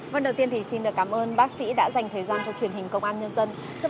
vâng đầu tiên thì xin được cảm ơn bác sĩ đã dành thời gian cho truyền hình công an nhân dân